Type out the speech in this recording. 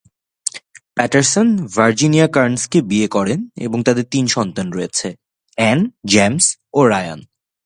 Patterson Virginia কার্ন্সকে বিয়ে করেন এবং তাদের তিন সন্তান রয়েছে: অ্যান, জেমস ও রায়ান।